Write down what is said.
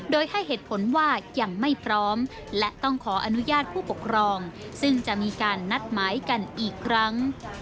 โดยให้เหตุผลว่ายังไม่พร้อมและต้องขออนุญาตผู้ปกครองซึ่งจะมีการนัดหมายกันอีกครั้ง